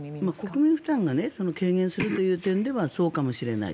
国民負担が軽減するという点ではそうかもしれない。